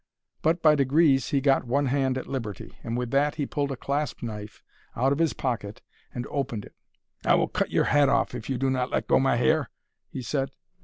But by degrees he got one hand at liberty, and with that he pulled a clasp knife out of his pocket and opened it. "I will cut your head off if you do not let go my hair," he said.